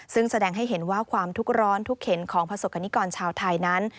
ซึ่งแสดงให้เห็นว่าความทุกข์ร้อนทุกเข็นของประสบกรณิกรชาวไทยนั้น